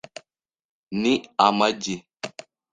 Ni amagi .